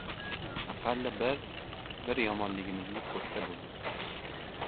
Aqalli, bir, bir yomonligimizni ko‘rsa bo‘ldi!